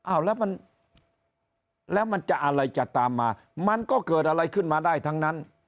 อ้าวแล้วมันแล้วมันจะอะไรจะตามมามันก็เกิดอะไรขึ้นมาได้ทั้งนั้น